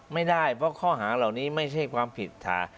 ไม่ได้เพราะข้อหาเหล่านี้ไม่ใช่ความผิดฐาน